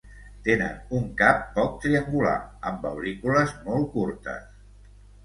Tenen un cap poc triangular amb aurícules molt curtes.